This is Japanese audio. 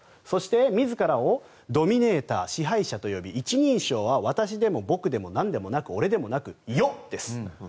そして自らをドミネーター支配者と呼び一人称は私でも僕でもなく俺でもなく余です。